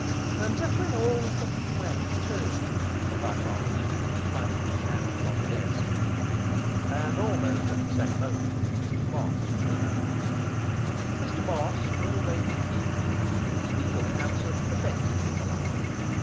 'And just when all was looking well too!' cried Morris, smiting his hand upon the desk. And almost at the same moment Mr Moss was announced. Mr Moss was a radiant Hebrew, brutally handsome, and offensively polite.